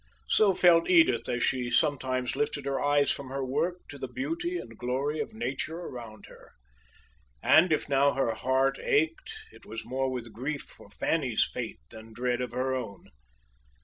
So felt Edith as she sometimes lifted her eyes from her work to the beauty and glory of nature around her. And if now her heart ached it was more with grief for Fanny's fate than dread of her own.